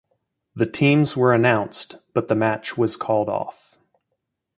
The teams were announced but the match was called off.